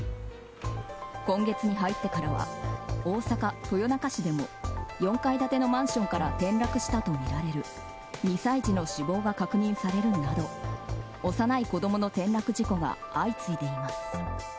今月に入ってからは大阪・豊中市でも４階建てのマンションから転落したとみられる２歳児の死亡が確認されるなど幼い子供の転落事故が相次いでいます。